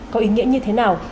có ý nghĩa như thế nào